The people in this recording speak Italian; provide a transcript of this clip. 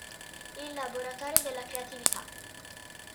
Il laboratorio della Creatività".